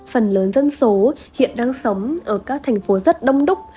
phần lớn dân số hiện đang sống ở các thành phố rất đông đúc